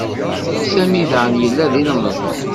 Sami daɣen yella d ilemẓi.